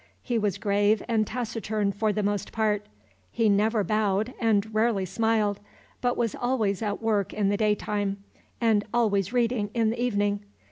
He was grave and taciturn for the most part, he never bowed and rarely smiled, but was always at work in the daytime, and always reading in the evening.